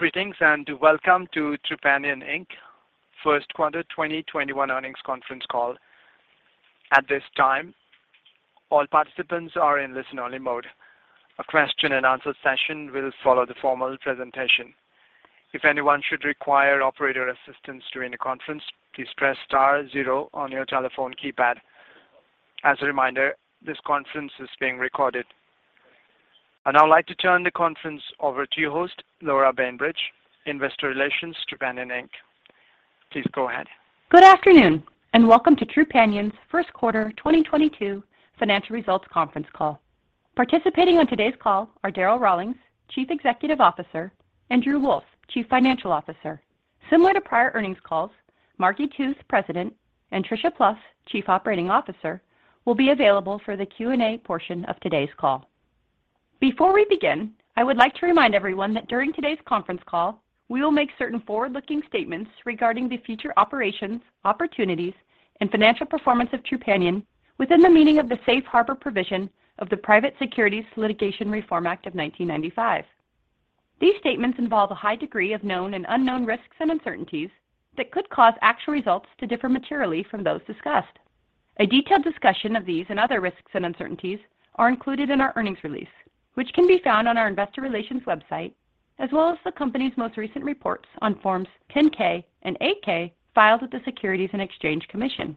Greetings, and welcome to Trupanion, Inc.'s First Quarter 2021 Earnings Conference Call. At this time, all participants are in listen-only mode. A question-and-answer session will follow the formal presentation. If anyone should require operator assistance during the conference, please press star zero on your telephone keypad. As a reminder, this conference is being recorded. I'd now like to turn the conference over to your host, Laura Bainbridge, Investor Relations, Trupanion, Inc. Please go ahead. Good afternoon, and welcome to Trupanion's First Quarter 2022 Financial Results Conference Call. Participating on today's call are Darryl Rawlings, Chief Executive Officer, and Drew Wolff, Chief Financial Officer. Similar to prior earnings calls, Margi Tooth, President, and Tricia Plouf, Chief Operating Officer, will be available for the Q&A portion of today's call. Before we begin, I would like to remind everyone that during today's conference call, we will make certain forward-looking statements regarding the future operations, opportunities, and financial performance of Trupanion within the meaning of the Safe Harbor provision of the Private Securities Litigation Reform Act of 1995. These statements involve a high degree of known and unknown risks and uncertainties that could cause actual results to differ materially from those discussed. A detailed discussion of these and other risks and uncertainties are included in our earnings release, which can be found on our investor relations website, as well as the company's most recent reports on Forms 10-K and 8-K filed with the Securities and Exchange Commission.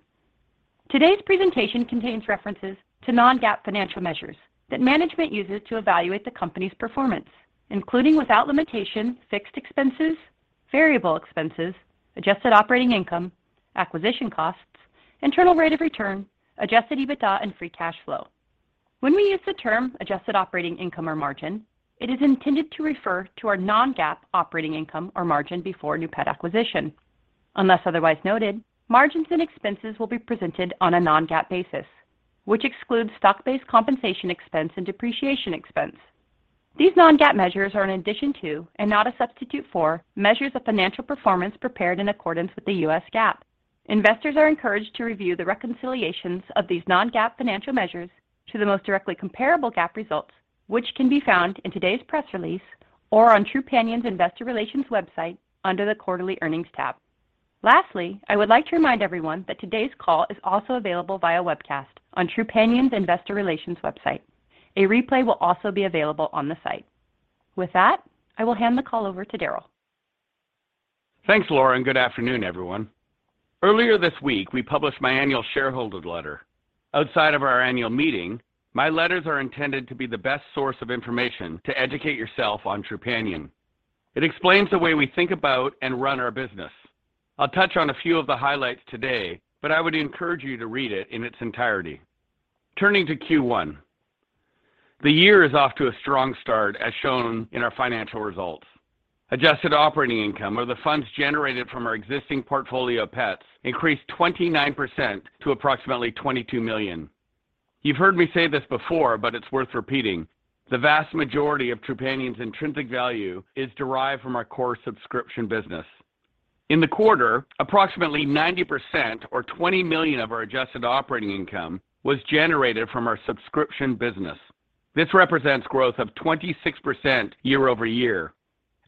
Today's presentation contains references to non-GAAP financial measures that management uses to evaluate the company's performance, including, without limitation, fixed expenses, variable expenses, adjusted operating income, acquisition costs, internal rate of return, adjusted EBITDA, and free cash flow. When we use the term adjusted operating income or margin, it is intended to refer to our non-GAAP operating income or margin before new pet acquisition. Unless otherwise noted, margins and expenses will be presented on a non-GAAP basis, which excludes stock-based compensation expense and depreciation expense. These non-GAAP measures are in addition to, and not a substitute for, measures of financial performance prepared in accordance with the U.S. GAAP. Investors are encouraged to review the reconciliations of these non-GAAP financial measures to the most directly comparable GAAP results, which can be found in today's press release or on Trupanion's investor relations website under the Quarterly Earnings tab. Lastly, I would like to remind everyone that today's call is also available via webcast on Trupanion's investor relations website. A replay will also be available on the site. With that, I will hand the call over to Darryl. Thanks, Laura, and good afternoon, everyone. Earlier this week, we published my annual shareholder letter. Outside of our annual meeting, my letters are intended to be the best source of information to educate yourself on Trupanion. It explains the way we think about and run our business. I'll touch on a few of the highlights today, but I would encourage you to read it in its entirety. Turning to Q1. The year is off to a strong start, as shown in our financial results. Adjusted operating income or the funds generated from our existing portfolio of pets increased 29% to approximately $22 million. You've heard me say this before, but it's worth repeating. The vast majority of Trupanion's intrinsic value is derived from our core subscription business. In the quarter, approximately 90% or $20 million of our adjusted operating income was generated from our subscription business. This represents growth of 26% year-over-year.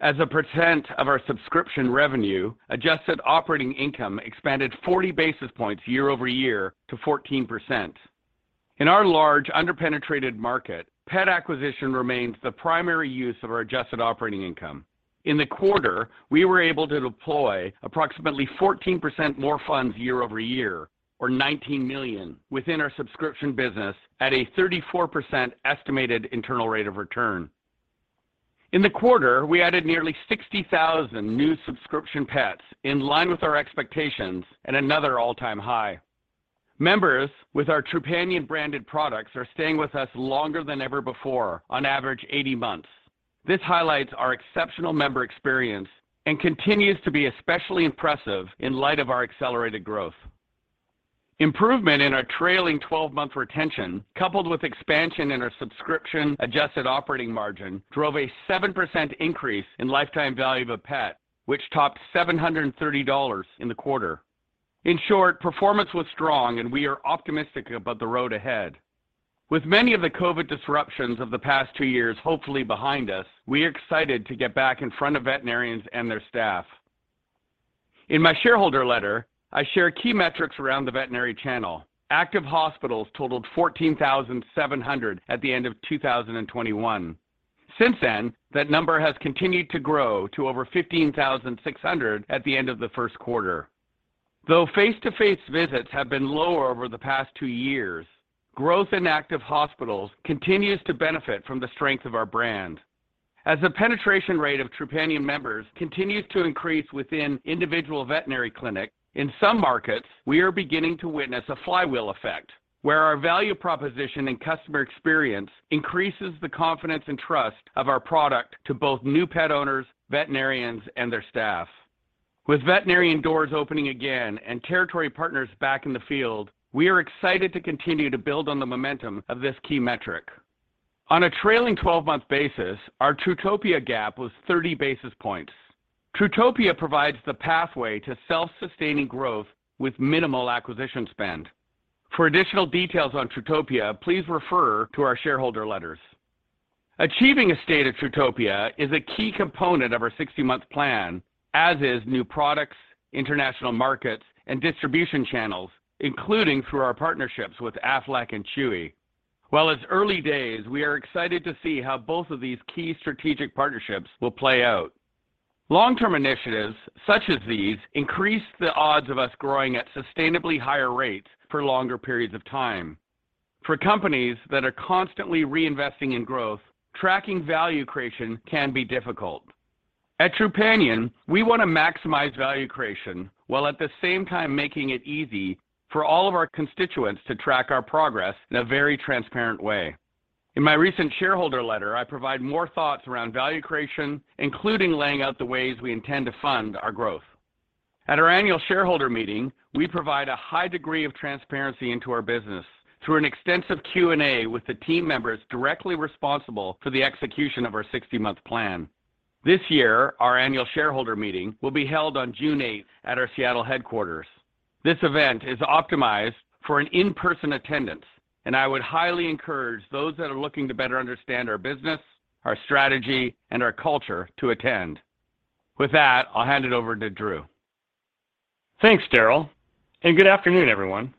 As a percent of our subscription revenue, adjusted operating income expanded 40 basis points year-over-year to 14%. In our large under-penetrated market, pet acquisition remains the primary use of our adjusted operating income. In the quarter, we were able to deploy approximately 14% more funds year-over-year or $19 million within our subscription business at a 34% estimated internal rate of return. In the quarter, we added nearly 60,000 new subscription pets in line with our expectations at another all-time high. Members with our Trupanion-branded products are staying with us longer than ever before, on average 80 months. This highlights our exceptional member experience and continues to be especially impressive in light of our accelerated growth. Improvement in our trailing twelve-month retention, coupled with expansion in our subscription adjusted operating margin, drove a 7% increase in lifetime value of a pet, which topped $730 in the quarter. In short, performance was strong, and we are optimistic about the road ahead. With many of the COVID disruptions of the past two years hopefully behind us, we are excited to get back in front of veterinarians and their staff. In my shareholder letter, I share key metrics around the veterinary channel. Active hospitals totaled 14,700 at the end of 2021. Since then, that number has continued to grow to over 15,600 at the end of the first quarter. Though face-to-face visits have been lower over the past two years, growth in active hospitals continues to benefit from the strength of our brand. As the penetration rate of Trupanion members continues to increase within individual veterinary clinic, in some markets, we are beginning to witness a flywheel effect where our value proposition and customer experience increases the confidence and trust of our product to both new pet owners, veterinarians, and their staff. With veterinarian doors opening again and territory partners back in the field, we are excited to continue to build on the momentum of this key metric. On a trailing twelve-month basis, our TruTopia gap was 30 basis points. TruTopia provides the pathway to self-sustaining growth with minimal acquisition spend. For additional details on TruTopia, please refer to our shareholder letters. Achieving a state of TruTopia is a key component of our 60-month plan, as is new products, international markets, and distribution channels, including through our partnerships with Aflac and Chewy. While it's early days, we are excited to see how both of these key strategic partnerships will play out. Long-term initiatives such as these increase the odds of us growing at sustainably higher rates for longer periods of time. For companies that are constantly reinvesting in growth, tracking value creation can be difficult. At Trupanion, we want to maximize value creation while at the same time making it easy for all of our constituents to track our progress in a very transparent way. In my recent shareholder letter, I provide more thoughts around value creation, including laying out the ways we intend to fund our growth. At our annual shareholder meeting, we provide a high degree of transparency into our business through an extensive Q&A with the team members directly responsible for the execution of our 60-month plan. This year, our annual shareholder meeting will be held on June eighth at our Seattle headquarters. This event is optimized for an in-person attendance, and I would highly encourage those that are looking to better understand our business, our strategy, and our culture to attend. With that, I'll hand it over to Drew. Thanks, Darryl, and good afternoon, everyone.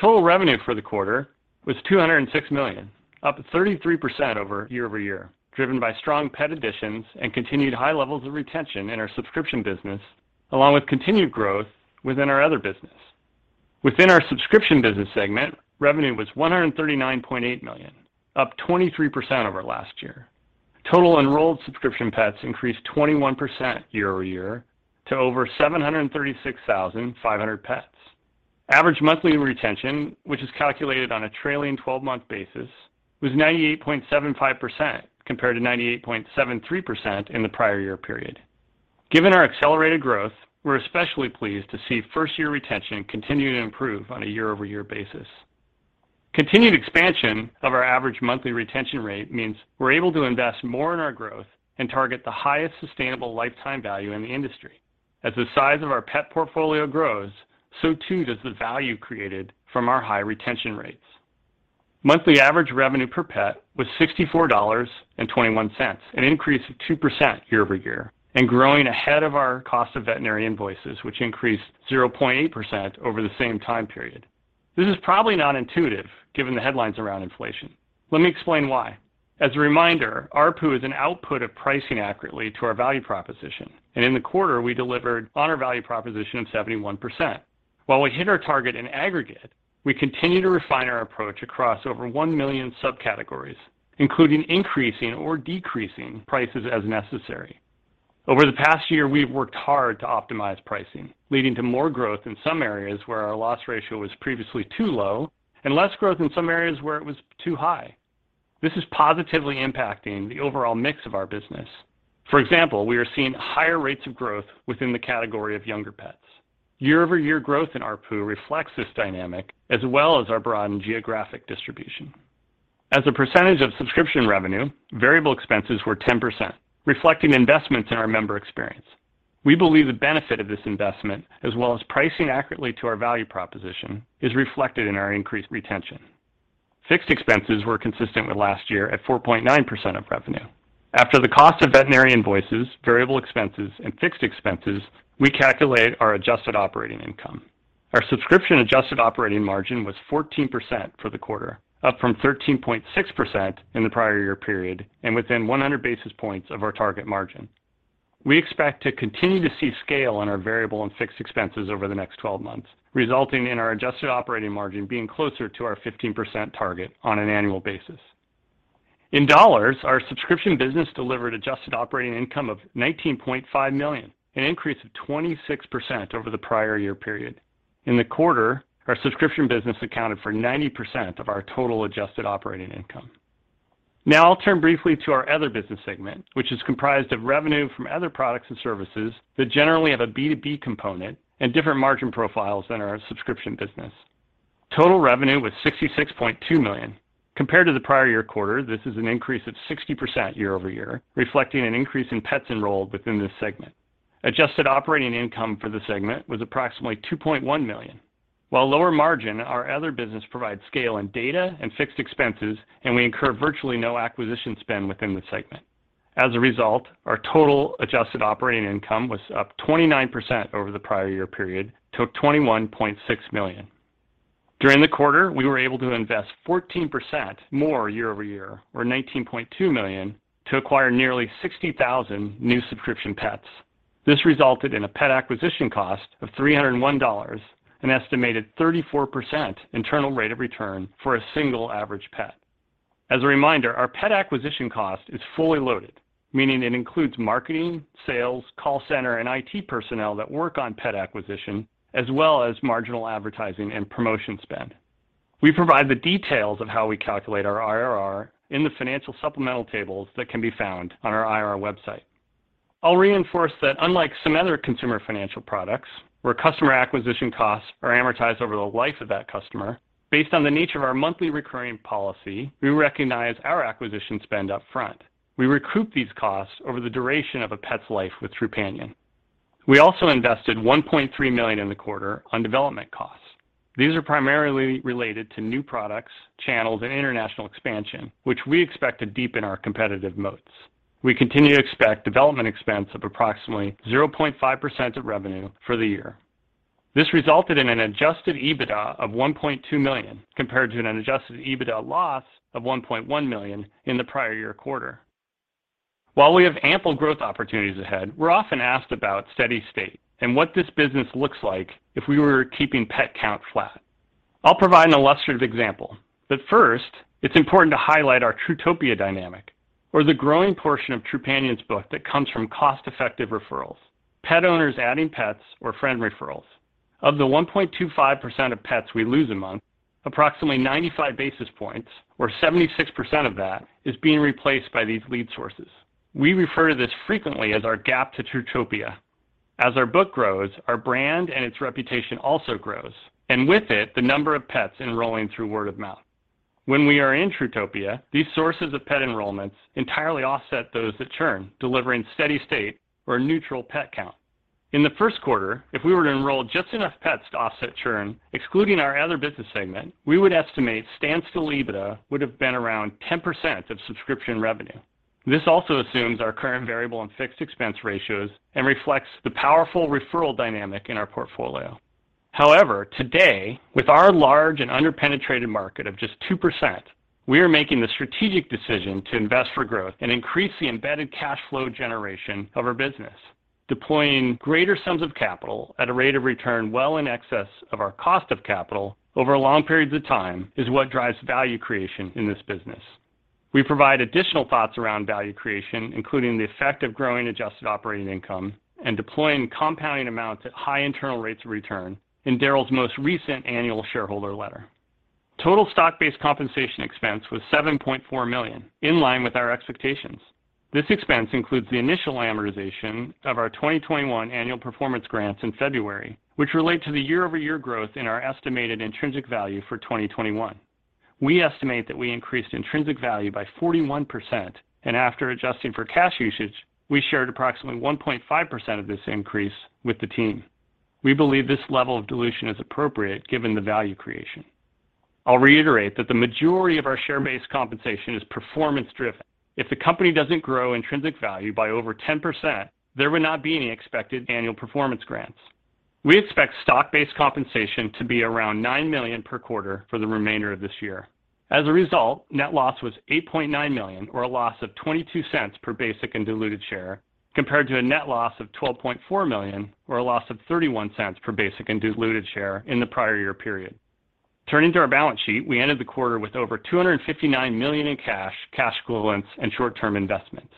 Total revenue for the quarter was $206 million, up 33% year-over-year, driven by strong pet additions and continued high levels of retention in our subscription business along with continued growth within our other business. Within our subscription business segment, revenue was $139.8 million, up 23% over last year. Total enrolled subscription pets increased 21% year-over-year to over 736,500 pets. Average monthly retention, which is calculated on a trailing twelve-month basis, was 98.75% compared to 98.73% in the prior year period. Given our accelerated growth, we're especially pleased to see first-year retention continue to improve on a year-over-year basis. Continued expansion of our average monthly retention rate means we're able to invest more in our growth and target the highest sustainable lifetime value in the industry. As the size of our pet portfolio grows, so too does the value created from our high retention rates. Monthly average revenue per pet was $64.21, an increase of 2% year-over-year, and growing ahead of our cost of veterinary invoices, which increased 0.8% over the same time period. This is probably not intuitive given the headlines around inflation. Let me explain why. As a reminder, ARPU is an output of pricing accurately to our value proposition, and in the quarter, we delivered on our value proposition of 71%. While we hit our target in aggregate, we continue to refine our approach across over 1 million subcategories, including increasing or decreasing prices as necessary. Over the past year, we've worked hard to optimize pricing, leading to more growth in some areas where our loss ratio was previously too low and less growth in some areas where it was too high. This is positively impacting the overall mix of our business. For example, we are seeing higher rates of growth within the category of younger pets. Year-over-year growth in ARPU reflects this dynamic as well as our broadened geographic distribution. As a percentage of subscription revenue, variable expenses were 10%, reflecting investments in our member experience. We believe the benefit of this investment, as well as pricing accurately to our value proposition, is reflected in our increased retention. Fixed expenses were consistent with last year at 4.9% of revenue. After the cost of veterinary invoices, variable expenses, and fixed expenses, we calculate our adjusted operating income. Our subscription adjusted operating margin was 14% for the quarter, up from 13.6% in the prior year period and within 100 basis points of our target margin. We expect to continue to see scale on our variable and fixed expenses over the next 12 months, resulting in our adjusted operating margin being closer to our 15% target on an annual basis. In dollars, our subscription business delivered adjusted operating income of $19.5 million, an increase of 26% over the prior year period. In the quarter, our subscription business accounted for 90% of our total adjusted operating income. Now I'll turn briefly to our other business segment, which is comprised of revenue from other products and services that generally have a B2B component and different margin profiles than our subscription business. Total revenue was $66.2 million. Compared to the prior year quarter, this is an increase of 60% year-over-year, reflecting an increase in pets enrolled within this segment. Adjusted operating income for the segment was approximately $2.1 million. While lower margin, our other business provides scale in data and fixed expenses, and we incur virtually no acquisition spend within the segment. As a result, our total adjusted operating income was up 29% over the prior year period to $21.6 million. During the quarter, we were able to invest 14% more year-over-year or $19.2 million to acquire nearly 60,000 new subscription pets. This resulted in a pet acquisition cost of $301, an estimated 34% internal rate of return for a single average pet. As a reminder, our pet acquisition cost is fully loaded, meaning it includes marketing, sales, call center, and IT personnel that work on pet acquisition, as well as marginal advertising and promotion spend. We provide the details of how we calculate our IRR in the financial supplemental tables that can be found on our IR website. I'll reinforce that unlike some other consumer financial products where customer acquisition costs are amortized over the life of that customer, based on the nature of our monthly recurring policy, we recognize our acquisition spend up front. We recoup these costs over the duration of a pet's life with Trupanion. We also invested $1.3 million in the quarter on development costs. These are primarily related to new products, channels, and international expansion, which we expect to deepen our competitive moats. We continue to expect development expense of approximately 0.5% of revenue for the year. This resulted in an adjusted EBITDA of $1.2 million, compared to an adjusted EBITDA loss of $1.1 million in the prior year quarter. While we have ample growth opportunities ahead, we're often asked about steady-state and what this business looks like if we were keeping pet count flat. I'll provide an illustrative example, but first, it's important to highlight our TruTopia dynamic or the growing portion of Trupanion's book that comes from cost-effective referrals, pet owners adding pets or friend referrals. Of the 1.25% of pets we lose a month, approximately 95 basis points or 76% of that is being replaced by these lead sources. We refer to this frequently as our gap to TruTopia. As our book grows, our brand and its reputation also grows, and with it, the number of pets enrolling through word of mouth. When we are in TruTopia, these sources of pet enrollments entirely offset those that churn, delivering steady-state or a neutral pet count. In the first quarter, if we were to enroll just enough pets to offset churn, excluding our other business segment, we would estimate standstill EBITDA would have been around 10% of subscription revenue. This also assumes our current variable and fixed expense ratios and reflects the powerful referral dynamic in our portfolio. However, today, with our large and under-penetrated market of just 2%, we are making the strategic decision to invest for growth and increase the embedded cash flow generation of our business. Deploying greater sums of capital at a rate of return well in excess of our cost of capital over long periods of time is what drives value creation in this business. We provide additional thoughts around value creation, including the effect of growing adjusted operating income and deploying compounding amounts at high internal rates of return in Darryl's most recent annual shareholder letter. Total stock-based compensation expense was $7.4 million, in line with our expectations. This expense includes the initial amortization of our 2021 annual performance grants in February, which relate to the year-over-year growth in our estimated intrinsic value for 2021. We estimate that we increased intrinsic value by 41%, and after adjusting for cash usage, we shared approximately 1.5% of this increase with the team. We believe this level of dilution is appropriate given the value creation. I'll reiterate that the majority of our share-based compensation is performance-driven. If the company doesn't grow intrinsic value by over 10%, there would not be any expected annual performance grants. We expect stock-based compensation to be around $9 million per quarter for the remainder of this year. As a result, net loss was $8.9 million or a loss of $0.22 per basic and diluted share, compared to a net loss of $12.4 million or a loss of $0.31 per basic and diluted share in the prior year period. Turning to our balance sheet, we ended the quarter with over $259 million in cash equivalents, and short-term investments.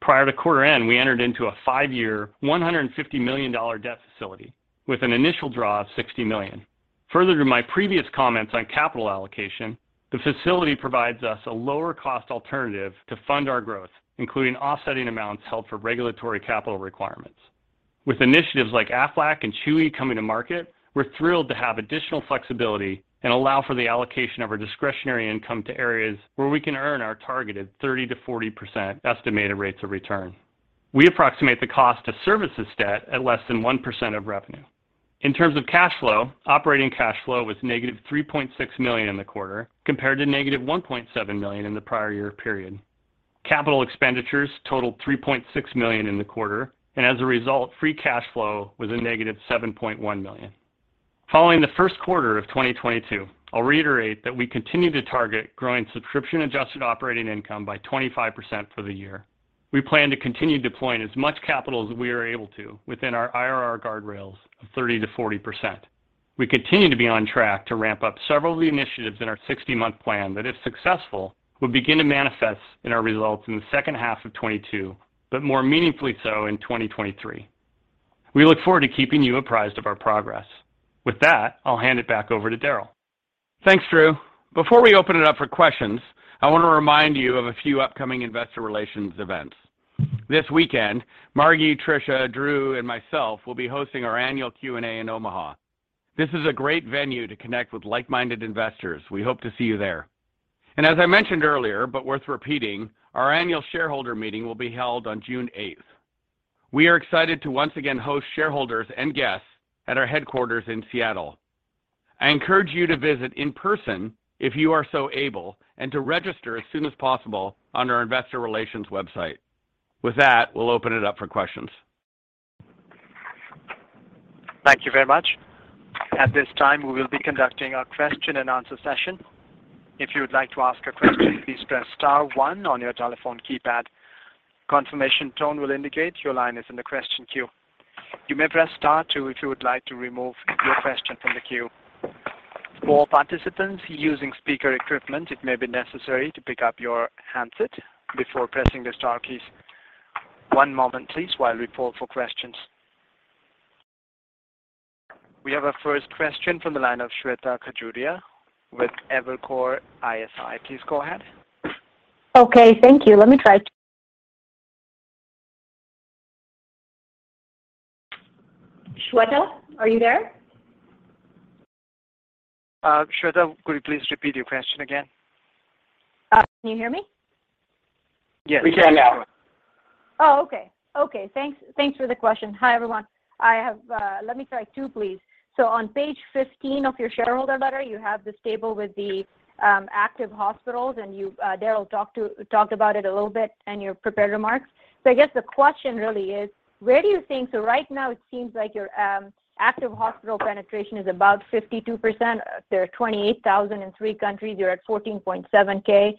Prior to quarter end, we entered into a five-year, $150 million debt facility with an initial draw of $60 million. Further to my previous comments on capital allocation, the facility provides us a lower cost alternative to fund our growth, including offsetting amounts held for regulatory capital requirements. With initiatives like Aflac and Chewy coming to market, we're thrilled to have additional flexibility and allow for the allocation of our discretionary income to areas where we can earn our targeted 30%-40% estimated rates of return. We approximate the cost to service this debt at less than 1% of revenue. In terms of cash flow, operating cash flow was -$3.6 million in the quarter compared to -$1.7 million in the prior year period. Capital expenditures totaled $3.6 million in the quarter, and as a result, free cash flow was -$7.1 million. Following the first quarter of 2022, I'll reiterate that we continue to target growing subscription adjusted operating income by 25% for the year. We plan to continue deploying as much capital as we are able to within our IRR guardrails of 30%-40%. We continue to be on track to ramp up several of the initiatives in our 60-month plan that, if successful, will begin to manifest in our results in the second half of 2022, but more meaningfully so in 2023. We look forward to keeping you apprised of our progress. With that, I'll hand it back over to Darryl. Thanks, Drew. Before we open it up for questions, I want to remind you of a few upcoming investor relations events. This weekend, Margi, Tricia, Drew, and myself will be hosting our annual Q&A in Omaha. This is a great venue to connect with like-minded investors. We hope to see you there. As I mentioned earlier, but worth repeating, our annual shareholder meeting will be held on June eighth. We are excited to once again host shareholders and guests at our headquarters in Seattle. I encourage you to visit in person if you are so able and to register as soon as possible on our investor relations website. With that, we'll open it up for questions. Thank you very much. At this time, we will be conducting our question and answer session. If you would like to ask a question, please press star one on your telephone keypad. Confirmation tone will indicate your line is in the question queue. You may press star two if you would like to remove your question from the queue. For participants using speaker equipment, it may be necessary to pick up your handset before pressing the star keys. One moment please while we poll for questions. We have our first question from the line of Shweta Khajuria with Evercore ISI. Please go ahead. Okay, thank you. Let me try. Shweta, are you there? Shweta, could you please repeat your question again? Can you hear me? Yes. We can now. Okay. Thanks for the question. Hi, everyone. I have, let me try two, please. On page 15 of your shareholder letter, you have this table with the active hospitals, and Darryl talked about it a little bit in your prepared remarks. I guess the question really is: Where do you think that can go? Right now it seems like your active hospital penetration is about 52%. There are 28,000 in three countries. You're at 14.7K.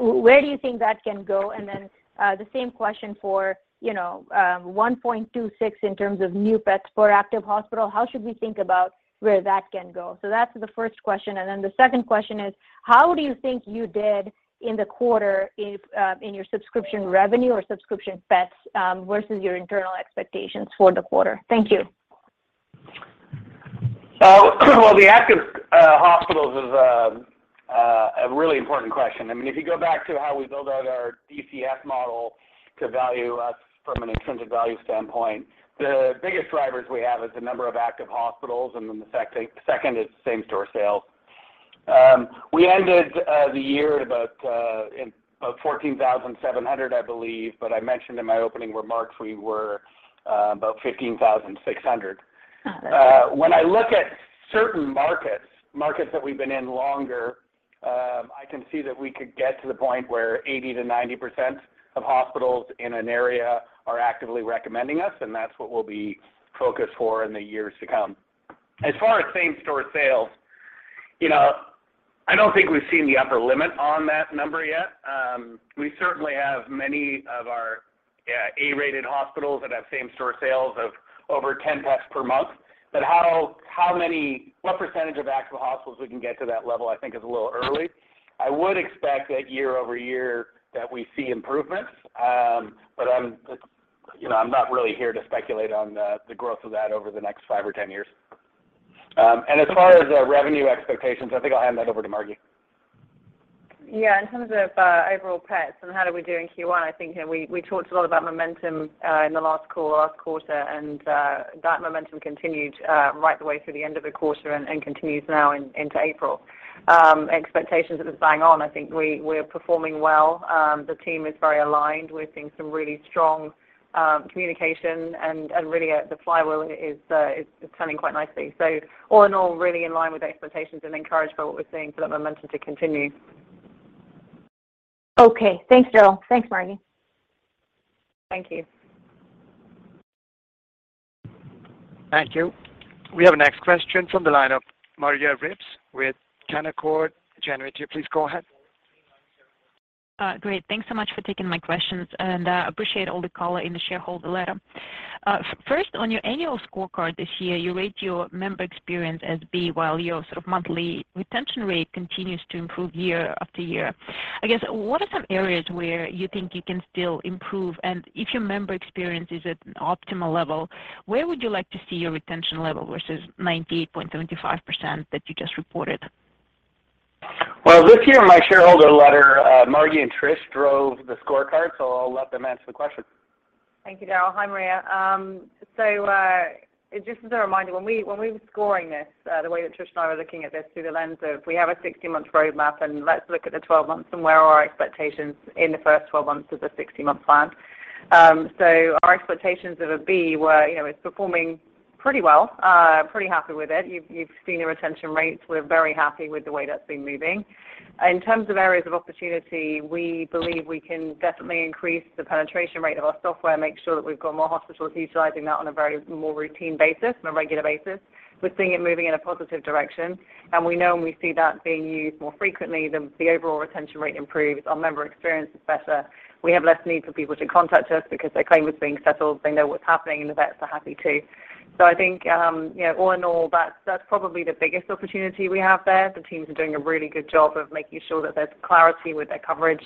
Where do you think that can go? The same question for, you know, 1.26 in terms of new pets for active hospital. How should we think about where that can go? That's the first question. The second question is: How do you think you did in the quarter if, in your subscription revenue or subscription pets, versus your internal expectations for the quarter? Thank you. Well, the active hospitals is a really important question. I mean, if you go back to how we build out our DCF model to value us from an intrinsic value standpoint, the biggest drivers we have is the number of active hospitals, and then the second is same-store sales. We ended the year at about 14,700, I believe. I mentioned in my opening remarks we were about 15,600. Oh, okay. When I look at certain markets that we've been in longer, I can see that we could get to the point where 80%-90% of hospitals in an area are actively recommending us, and that's what we'll be focused for in the years to come. As far as same-store sales, you know, I don't think we've seen the upper limit on that number yet. We certainly have many of our A-rated hospitals that have same-store sales of over 10 pets per month. What percentage of active hospitals we can get to that level I think is a little early. I would expect that year-over-year that we see improvements. You know, I'm not really here to speculate on the growth of that over the next five or 10 years. As far as our revenue expectations, I think I'll hand that over to Margie. Yeah, in terms of overall pets and how did we do in Q1, I think, you know, we talked a lot about momentum in the last call, last quarter, and that momentum continued right the way through the end of the quarter and continues now into April. Expectations, it was bang on. I think we are performing well. The team is very aligned. We're seeing some really strong communication and really the flywheel is turning quite nicely. All in all, really in line with the expectations and encouraged by what we're seeing for that momentum to continue. Okay. Thanks, Darryl. Thanks, Margi. Thank you. Thank you. We have our next question from the line of Maria Ripps with Canaccord Genuity. Please go ahead. Great. Thanks so much for taking my questions, and appreciate all the color in the shareholder letter. First, on your annual scorecard this year, you rate your member experience as B, while your sort of monthly retention rate continues to improve year after year. I guess, what are some areas where you think you can still improve? If your member experience is at an optimal level, where would you like to see your retention level versus 98.25% that you just reported? Well, this year in my shareholder letter, Margi and Tricia drove the scorecard, so I'll let them answer the question. Thank you, Darryl. Hi, Maria. Just as a reminder, when we were scoring this, the way that Trish and I were looking at this through the lens of we have a 60-month roadmap and let's look at the 12 months and where are our expectations in the first 12 months of the 60-month plan. Our expectations of a B were, you know, it's performing pretty well, pretty happy with it. You've seen the retention rates. We're very happy with the way that's been moving. In terms of areas of opportunity, we believe we can definitely increase the penetration rate of our software, make sure that we've got more hospitals utilizing that on a very more routine basis, on a regular basis. We're seeing it moving in a positive direction. We know when we see that being used more frequently, then the overall retention rate improves. Our member experience is better. We have less need for people to contact us because their claim is being settled. They know what's happening, and the vets are happy too. I think, you know, all in all, that's probably the biggest opportunity we have there. The teams are doing a really good job of making sure that there's clarity with their coverage,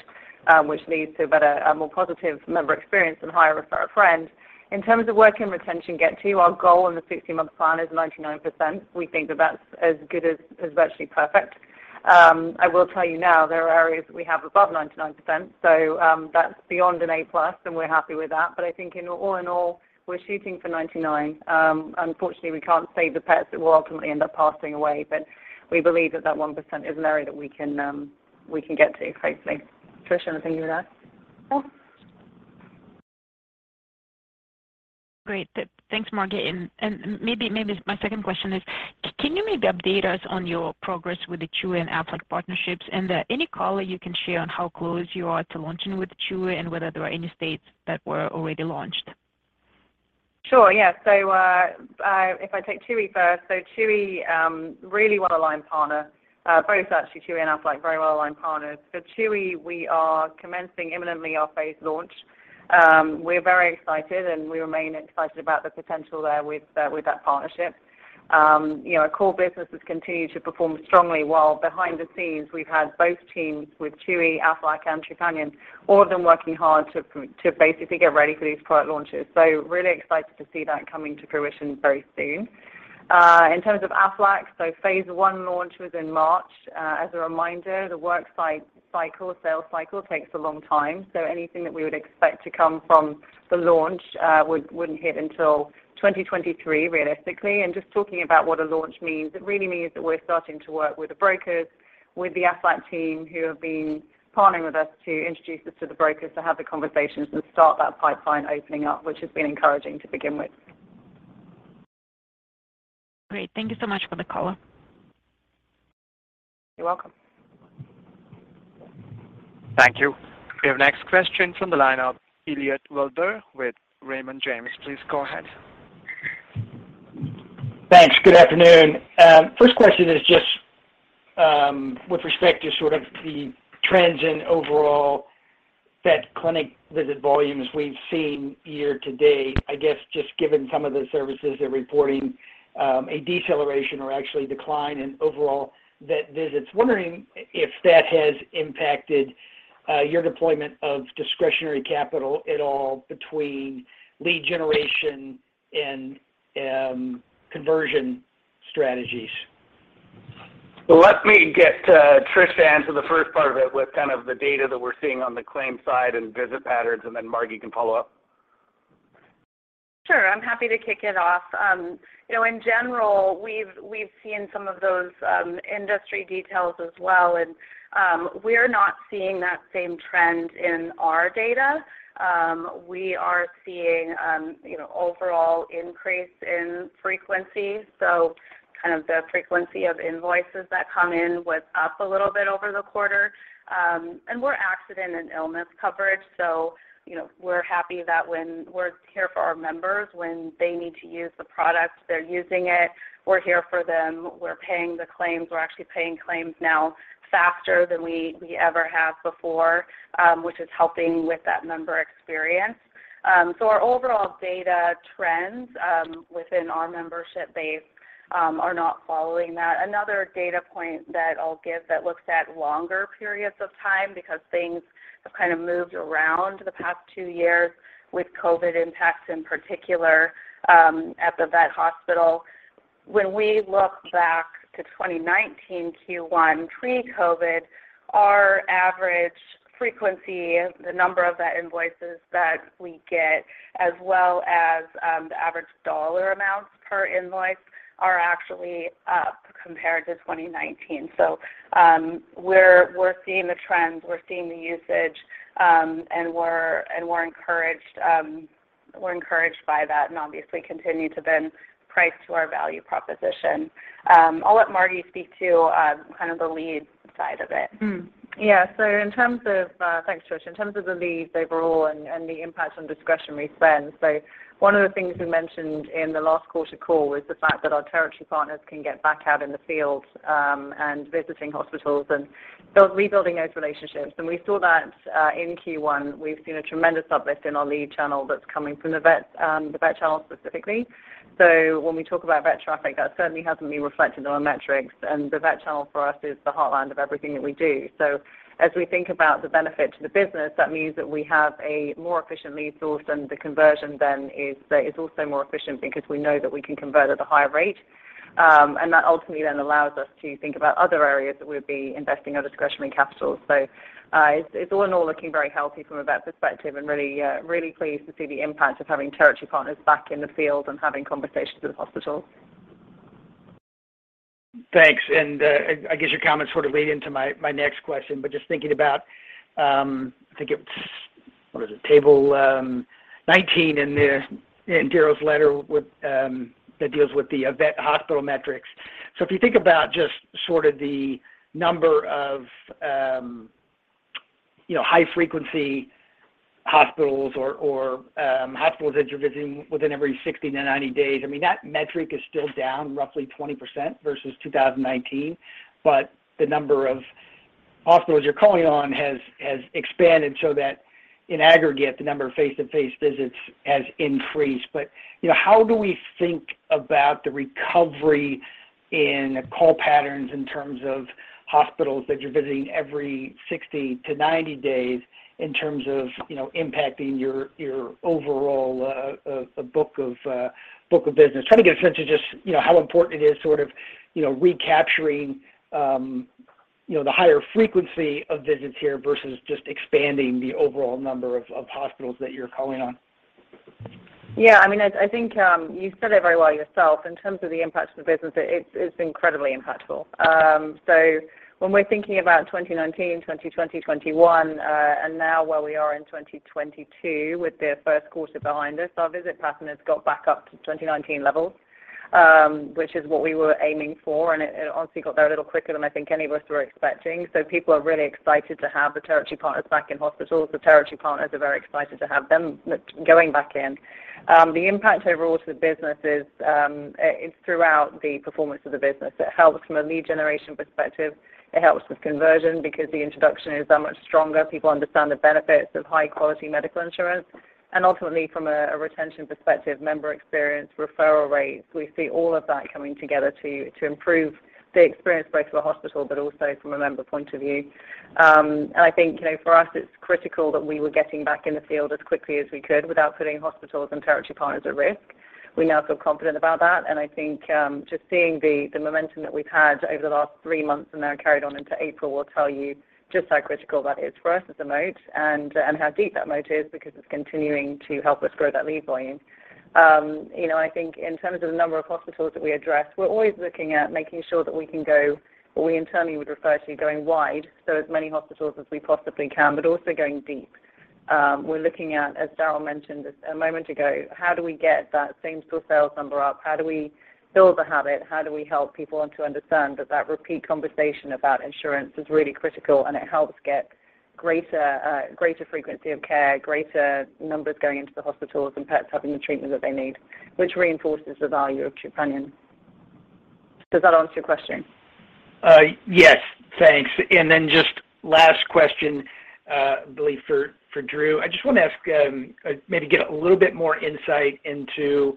which leads to a better, more positive member experience and higher refer-a-friend. In terms of where can retention get to, our goal in the 60-month plan is 99%. We think that's as good as virtually perfect. I will tell you now, there are areas we have above 99%, so that's beyon d an A+, and we're happy with that. I think all in all, we're shooting for 99%. Unfortunately, we can't save the pets that will ultimately end up passing away, but we believe that 1% is an area that we can get to, hopefully. Trish, anything you would add? Great. Thanks, Margi. Maybe my second question is: Can you maybe update us on your progress with the Chewy and Aflac partnerships? Any color you can share on how close you are to launching with Chewy and whether there are any states that were already launched? Sure, yeah. If I take Chewy first, Chewy, really well-aligned partner. Both actually, Chewy and Aflac, very well-aligned partners. For Chewy, we are commencing imminently our phase launch. We're very excited, and we remain excited about the potential there with that partnership. You know, our core business has continued to perform strongly, while behind the scenes we've had both teams with Chewy, Aflac, and Trupanion, all of them working hard to basically get ready for these product launches. Really excited to see that coming to fruition very soon. In terms of Aflac, phase 1 launch was in March. As a reminder, the sales cycle takes a long time, so anything that we would expect to come from the launch, wouldn't hit until 2023, realistically. Just talking about what a launch means, it really means that we're starting to work with the brokers, with the Aflac team who have been partnering with us to introduce us to the brokers to have the conversations and start that pipeline opening up, which has been encouraging to begin with. Great. Thank you so much for the call. You're welcome. Thank you. We have next question from the line of Elliot Wilbur with Raymond James. Please go ahead. Thanks. Good afternoon. First question is just with respect to sort of the trends in overall vet clinic visit volumes we've seen year to date. I guess just given some of the services they're reporting, a deceleration or actually decline in overall vet visits. Wondering if that has impacted your deployment of discretionary capital at all between lead generation and conversion strategies. Let me get Tricia to answer the first part of it with kind of the data that we're seeing on the claims side and visit patterns, and then Margy can follow up. Sure. I'm happy to kick it off. You know, in general, we've seen some of those industry details as well, and we're not seeing that same trend in our data. We are seeing you know, overall increase in frequency, so kind of the frequency of invoices that come in was up a little bit over the quarter. We're accident and illness coverage, so you know, we're happy that when we're here for our members, when they need to use the product, they're using it. We're here for them. We're paying the claims. We're actually paying claims now faster than we ever have before, which is helping with that member experience. Our overall data trends within our membership base are not following that. Another data point that I'll give that looks at longer periods of time because things have kind of moved around the past two years with COVID impacts in particular at the vet hospital. When we look back to 2019 Q1 pre-COVID, our average frequency, the number of the invoices that we get, as well as the average dollar amounts per invoice are actually up compared to 2019. We're seeing the trends, we're seeing the usage, and we're encouraged by that and obviously continue to then price to our value proposition. I'll let Margi speak to kind of the lead side of it. Thanks, Trish. In terms of the leads overall and the impact on discretionary spend, one of the things we mentioned in the last quarter call was the fact that our territory partners can get back out in the field and visiting hospitals and rebuilding those relationships. We saw that in Q1. We've seen a tremendous uplift in our lead channel that's coming from the vets, the vet channel specifically. When we talk about vet traffic, that certainly hasn't been reflected on our metrics, and the vet channel for us is the heartland of everything that we do. As we think about the benefit to the business, that means that we have a more efficient lead source, and the conversion then is also more efficient because we know that we can convert at a higher rate. That ultimately then allows us to think about other areas that we'd be investing our discretionary capital. It's all in all looking very healthy from a vet perspective, and really pleased to see the impact of having territory partners back in the field and having conversations with hospitals. Thanks. I guess your comments sort of lead into my next question, but just thinking about Table 19 in Darryl's letter with that deals with the vet hospital metrics. If you think about just sort of the number of you know, high-frequency hospitals or hospitals that you're visiting within every 60-90 days, I mean, that metric is still down roughly 20% versus 2019. The number of hospitals you're calling on has expanded so that in aggregate, the number of face-to-face visits has increased. You know, how do we think about the recovery in call patterns in terms of hospitals that you're visiting every 60-90 days in terms of, you know, impacting your overall book of business? Trying to get a sense of just, you know, how important it is sort of, you know, recapturing the higher frequency of visits here versus just expanding the overall number of hospitals that you're calling on. Yeah. I mean, I think you said it very well yourself. In terms of the impact to the business, it's incredibly impactful. When we're thinking about 2019, 2020, 2021, and now where we are in 2022 with the first quarter behind us, our visit pattern has got back up to 2019 levels, which is what we were aiming for, and it honestly got there a little quicker than I think any of us were expecting. People are really excited to have the territory partners back in hospitals. The territory partners are very excited to have them going back in. The impact overall to the business is throughout the performance of the business. It helps from a lead generation perspective. It helps with conversion because the introduction is that much stronger. People understand the benefits of high-quality medical insurance. Ultimately, from a retention perspective, member experience, referral rates, we see all of that coming together to improve the experience both for the hospital but also from a member point of view. I think, you know, for us it's critical that we were getting back in the field as quickly as we could without putting hospitals and territory partners at risk. We now feel confident about that. I think just seeing the momentum that we've had over the last three months and now carried on into April will tell you just how critical that is for us as a moat and how deep that moat is because it's continuing to help us grow that lead volume. You know, I think in terms of the number of hospitals that we address, we're always looking at making sure that we can go, or we internally would refer to going wide, so as many hospitals as we possibly can, but also going deep. We're looking at, as Darryl mentioned a moment ago, how do we get that same-store sales number up? How do we build the habit? How do we help people to understand that that repeat conversation about insurance is really critical, and it helps get greater frequency of care, greater numbers going into the hospitals and pets having the treatment that they need, which reinforces the value of Trupanion. Does that answer your question? Yes. Thanks. Just last question, I believe for Drew. I just wanna ask, maybe get a little bit more insight into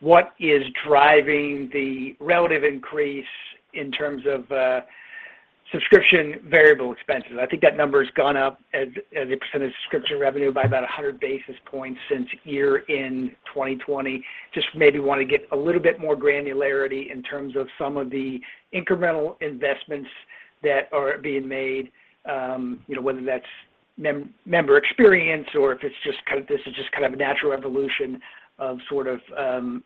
what is driving the relative increase in terms of subscription variable expenses. I think that number has gone up as a percent of subscription revenue by about 100 basis points since year-end 2020. Just maybe wanna get a little bit more granularity in terms of some of the incremental investments that are being made, you know, whether that's member experience or if it's just kind of this is just kind of a natural evolution of sort of,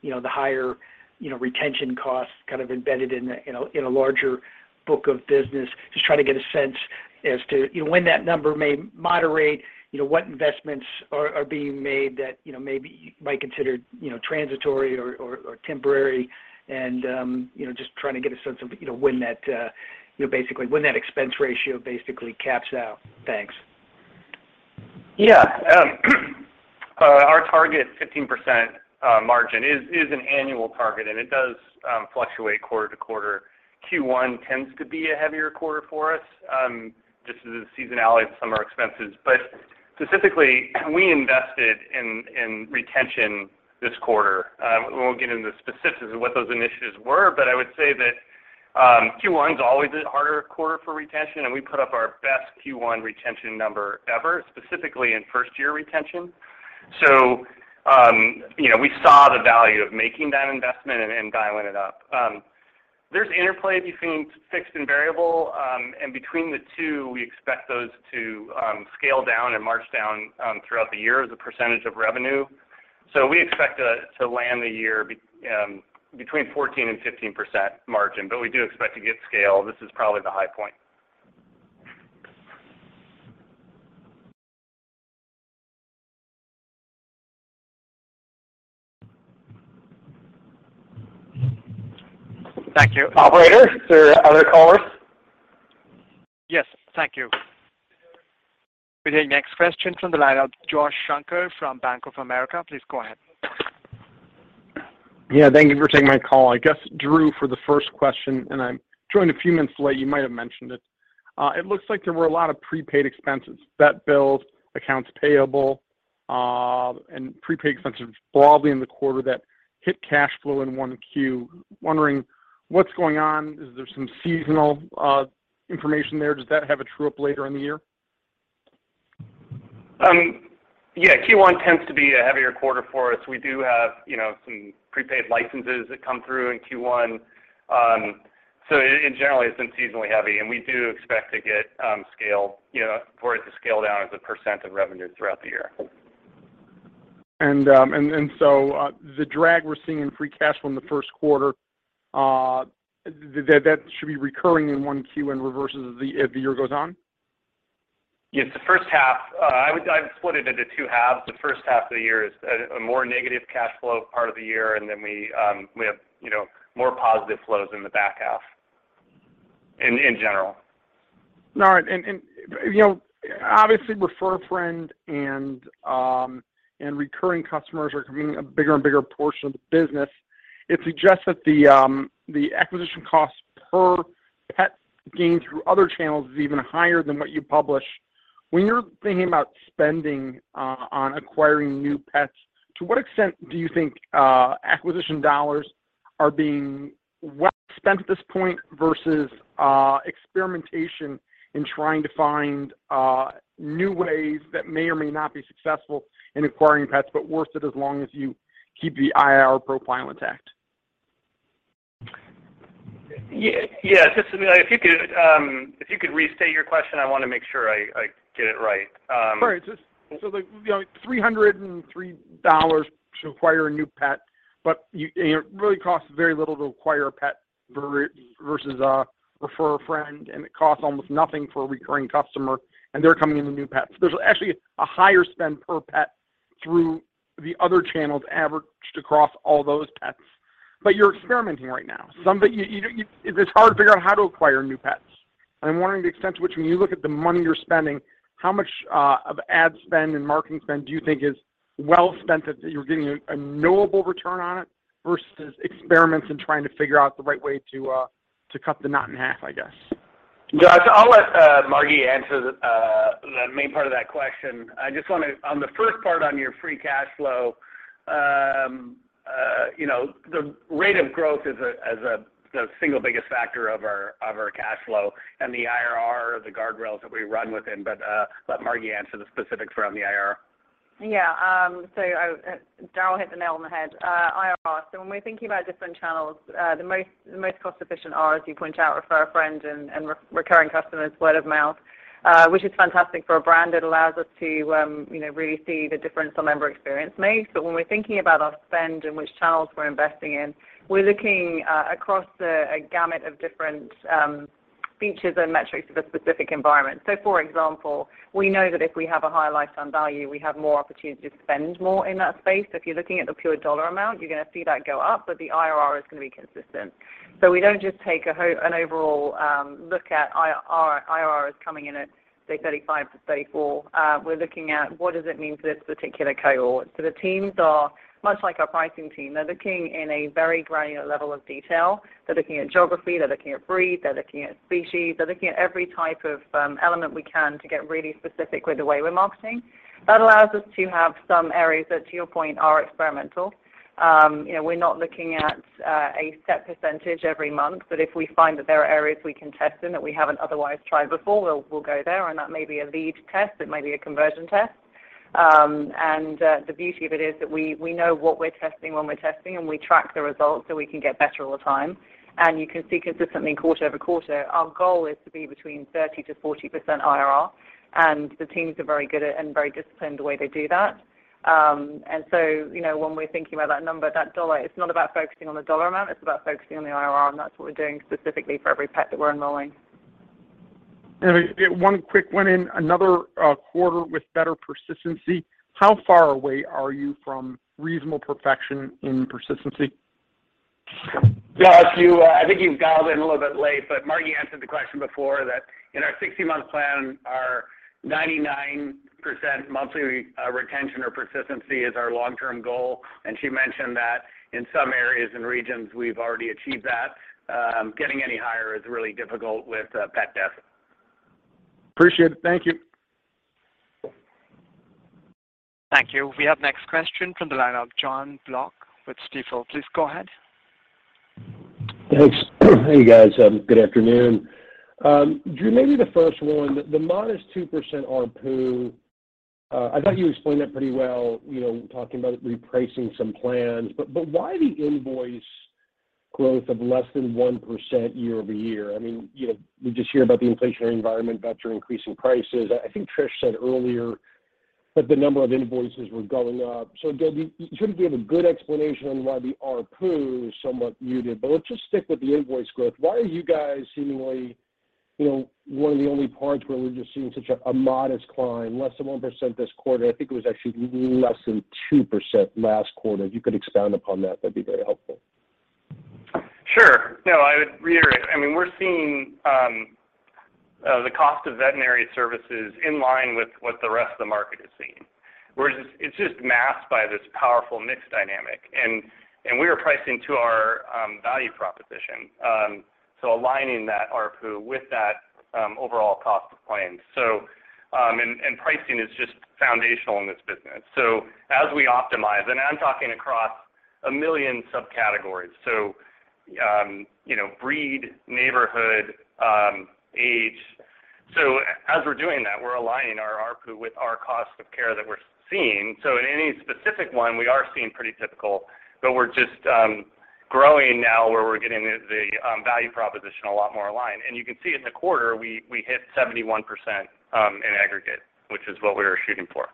you know, the higher, you know, retention costs kind of embedded in a larger book of business. Just trying to get a sense as to, you know, when that number may moderate, you know, what investments are being made that, you know, maybe you might consider, you know, transitory or temporary. You know, just trying to get a sense of, you know, when that, you know, basically, when that expense ratio basically caps out. Thanks. Yeah, our target 15% margin is an annual target, and it does fluctuate quarter to quarter. Q1 tends to be a heavier quarter for us, just as a seasonality of summer expenses. Specifically, we invested in retention this quarter. We won't get into the specifics of what those initiatives were, but I would say that Q1 is always a harder quarter for retention, and we put up our best Q1 retention number ever, specifically in first-year retention. You know, we saw the value of making that investment and dialing it up. There's interplay between fixed and variable, and between the two, we expect those to scale down and march down throughout the year as a percentage of revenue. We expect to end the year between 14% and 15% margin, but we do expect to get scale. This is probably the high point. Thank you. Operator, there are other callers? Yes. Thank you. With the next question from the line of Joshua Shanker from Bank of America. Please go ahead. Yeah. Thank you for taking my call. I guess, Drew, for the first question, and I joined a few minutes late, you might have mentioned it. It looks like there were a lot of prepaid expenses, vet bills, accounts payable, and prepaid expenses broadly in the quarter that hit cash flow in 1Q. Wondering what's going on. Is there some seasonal information there? Does that have a true up later in the year? Yeah. Q1 tends to be a heavier quarter for us. We do have, you know, some prepaid licenses that come through in Q1. In general, it's been seasonally heavy, and we do expect to get, you know, scale, for it to scale down as a percent of revenue throughout the year. The drag we're seeing in free cash from the first quarter, that should be recurring in Q1 and reverses as the year goes on? Yes. The first half, I would split it into two halves. The first half of the year is a more negative cash flow part of the year, and then we have, you know, more positive flows in the back half in general. All right. You know, obviously, refer a friend and recurring customers are becoming a bigger and bigger portion of the business. It suggests that the acquisition costs per pet gained through other channels is even higher than what you publish. When you're thinking about spending on acquiring new pets, to what extent do you think acquisition dollars are being well spent at this point versus experimentation in trying to find new ways that may or may not be successful in acquiring pets but worth it as long as you keep the IRR profile intact? Yeah. Yeah. Just, I mean, if you could restate your question, I wanna make sure I get it right. Right. Just so, like, you know, $303 to acquire a new pet, but it really costs very little to acquire a pet versus a refer-a-friend, and it costs almost nothing for a recurring customer, and they're coming in with new pets. There's actually a higher spend per pet through the other channels averaged across all those pets. You're experimenting right now. Some of it. It's hard to figure out how to acquire new pets. I'm wondering the extent to which when you look at the money you're spending, how much of ad spend and marketing spend do you think is well spent that you're getting a knowable return on it versus experiments and trying to figure out the right way to cut the knot in half, I guess? Josh, I'll let Margie answer the main part of that question. I just wanna. On the first part of your free cash flow, you know, the rate of growth is the single biggest factor of our cash flow and the IRR, the guardrails that we run within. Let Margie answer the specifics around the IRR. Yeah. Darryl hit the nail on the head. IRR. When we're thinking about different channels, the most cost-efficient are, as you point out, refer a friend and recurring customers, word of mouth, which is fantastic for a brand. It allows us to, you know, really see the difference a member experience makes. When we're thinking about our spend and which channels we're investing in, we're looking across a gamut of different features and metrics for the specific environment. For example, we know that if we have a higher lifetime value, we have more opportunity to spend more in that space. If you're looking at the pure dollar amount, you're gonna see that go up, but the IRR is gonna be consistent. We don't just take an overall look at IRR coming in at say 35%-34%. We're looking at what does it mean for this particular cohort. The teams are much like our pricing team. They're looking at a very granular level of detail. They're looking at geography, they're looking at breed, they're looking at species, they're looking at every type of element we can to get really specific with the way we're marketing. That allows us to have some areas that, to your point, are experimental. You know, we're not looking at a set percentage every month, but if we find that there are areas we can test in that we haven't otherwise tried before, we'll go there and that may be a lead test, it may be a conversion test. The beauty of it is that we know what we're testing when we're testing, and we track the results, so we can get better all the time. You can see consistently quarter-over-quarter, our goal is to be between 30%-40% IRR, and the teams are very good and very disciplined the way they do that. You know, when we're thinking about that number, that dollar, it's not about focusing on the dollar amount, it's about focusing on the IRR, and that's what we're doing specifically for every pet that we're enrolling. One quick one in another quarter with better persistency. How far away are you from reasonable perfection in persistency? Josh, you, I think you've dialed in a little bit late, but Margie answered the question before that in our 60-month plan, our 99% monthly retention or persistency is our long-term goal. She mentioned that in some areas and regions, we've already achieved that. Getting any higher is really difficult with pet death. Appreciate it. Thank you. Thank you. We have next question from the line of Jonathan Block with Stifel. Please go ahead. Thanks. Hey, guys, good afternoon. Drew, maybe the first one, the modest 2% ARPU, I thought you explained that pretty well, you know, talking about repricing some plans, but why the invoice growth of less than 1% year-over-year? I mean, you know, we just hear about the inflationary environment, vets are increasing prices. I think Trish said earlier that the number of invoices were going up. Sort of give a good explanation on why the ARPU is somewhat muted. Let's just stick with the invoice growth. Why are you guys seemingly, you know, one of the only parts where we're just seeing such a modest climb, less than 1% this quarter. I think it was actually less than 2% last quarter. If you could expound upon that'd be very helpful. Sure. No, I would reiterate. I mean, we're seeing the cost of veterinary services in line with what the rest of the market is seeing, where it's just masked by this powerful mix dynamic. We are pricing to our value proposition, so aligning that ARPU with that overall cost to plan. Pricing is just foundational in this business. As we optimize, and I'm talking across a million subcategories, you know, breed, neighborhood, age. As we're doing that, we're aligning our ARPU with our cost of care that we're seeing. In any specific one, we are seeing pretty typical, but we're just growing now where we're getting the value proposition a lot more aligned. You can see in the quarter, we hit 71% in aggregate, which is what we were shooting for.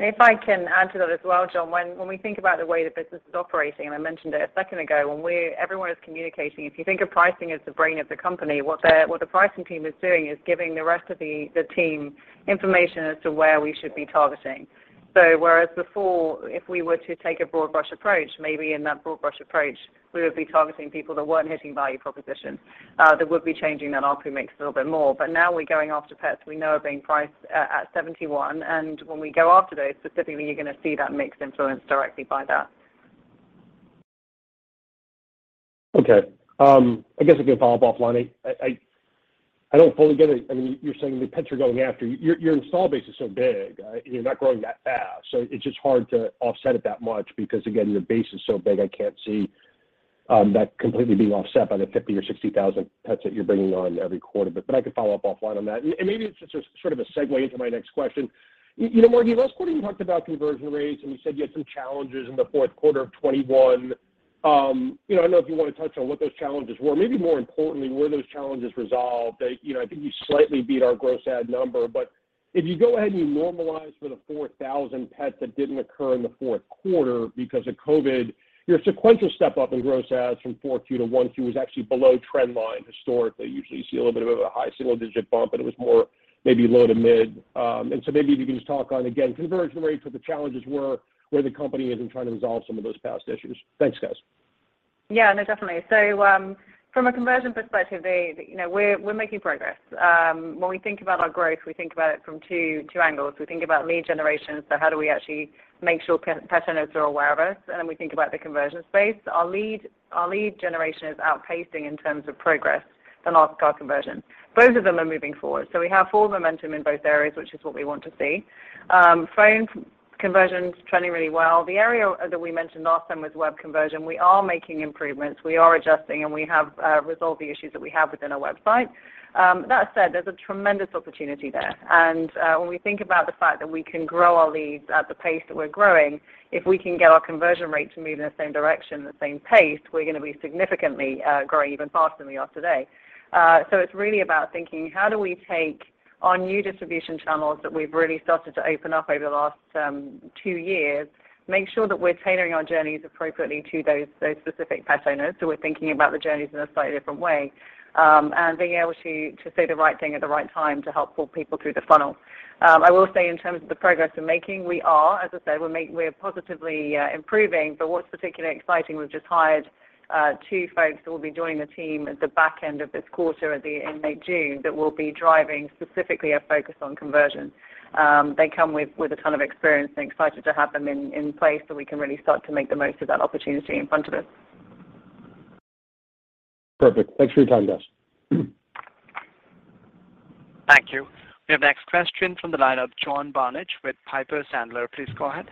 If I can add to that as well, John, when we think about the way the business is operating, and I mentioned it a second ago, when everyone is communicating, if you think of pricing as the brain of the company, what the pricing team is doing is giving the rest of the team information as to where we should be targeting. So whereas before, if we were to take a broad brush approach, maybe in that broad brush approach, we would be targeting people that weren't hitting value proposition, that would be changing that ARPU mix a little bit more. But now we're going after pets we know are being priced at 71, and when we go after those specifically, you're gonna see that mix influenced directly by that. Okay. I guess I can follow up offline. I don't fully get it. I mean, you're saying the pets you're going after. Your installed base is so big, you're not growing that fast. It's just hard to offset it that much because, again, your base is so big. I can't see that completely being offset by the 50 or 60,000 pets that you're bringing on every quarter. But I can follow up offline on that. Maybe it's just a sort of a segue into my next question. You know, Margi, last quarter you talked about conversion rates, and you said you had some challenges in the fourth quarter of 2021. You know, I don't know if you want to touch on what those challenges were. Maybe more importantly, were those challenges resolved? You know, I think you slightly beat our gross add number, but if you go ahead and you normalize for the 4,000 pets that didn't occur in the fourth quarter because of COVID, your sequential step up in gross adds from 4Q to 1Q was actually below trend line historically. Usually you see a little bit of a high single digit bump, and it was more maybe low to mid. Maybe if you can just talk on, again, conversion rates, what the challenges were, where the company is in trying to resolve some of those past issues. Thanks, guys. Yeah, no, definitely. From a conversion perspective, you know, we're making progress. When we think about our growth, we think about it from two angles. We think about lead generation, so how do we actually make sure pet owners are aware of us, and then we think about the conversion space. Our lead generation is outpacing in terms of progress than our conversion. Both of them are moving forward. We have full momentum in both areas, which is what we want to see. Phone conversion's trending really well. The area that we mentioned last time was web conversion. We are making improvements, we are adjusting, and we have resolved the issues that we have within our website. That said, there's a tremendous opportunity there. When we think about the fact that we can grow our leads at the pace that we're growing, if we can get our conversion rate to move in the same direction, the same pace, we're gonna be significantly growing even faster than we are today. So it's really about thinking, how do we take our new distribution channels that we've really started to open up over the last two years, make sure that we're tailoring our journeys appropriately to those specific pet owners, so we're thinking about the journeys in a slightly different way, and being able to say the right thing at the right time to help pull people through the funnel. I will say in terms of the progress we're making, we are, as I said, positively improving. What's particularly exciting, we've just hired two folks who will be joining the team at the back end of this quarter at the end of June that will be driving specifically a focus on conversion. They come with a ton of experience, and excited to have them in place so we can really start to make the most of that opportunity in front of us. Perfect. Thanks for your time, guys. Thank you. We have next question from the line of John Barnidge with Piper Sandler. Please go ahead.